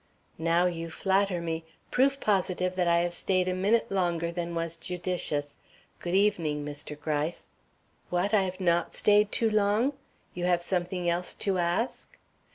"Now you flatter me proof positive that I have stayed a minute longer than was judicious. Good evening, Mr. Gryce. What? I have not stayed too long? You have something else to ask."